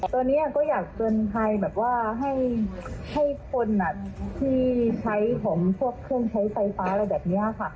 ตอนนี้ก็อยากเตือนภัยให้คนที่ใช้พวกเครื่องใช้ไฟฟ้าแบบนี้